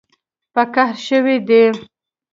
په قهر شوي دي